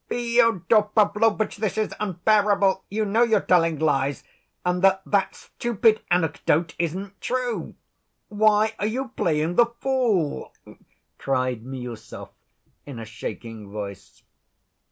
"Fyodor Pavlovitch, this is unbearable! You know you're telling lies and that that stupid anecdote isn't true. Why are you playing the fool?" cried Miüsov in a shaking voice.